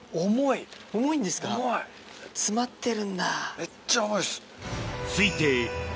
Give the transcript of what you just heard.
めっちゃ重いです。